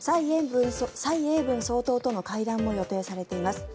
蔡英文総統との会談も予定されています。